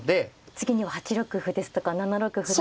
次には８六歩ですとか７六歩だとか。